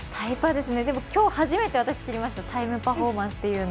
でも今日初めて私、知りました、タイムパフォーマンスって。